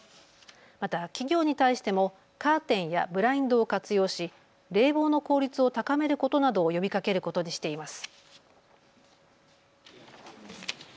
また企業に対してもカーテンやブラインドを活用し冷房の効率を高めることなどを呼びかけることにしています。